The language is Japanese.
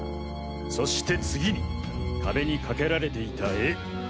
そして次に壁にかけられていた絵。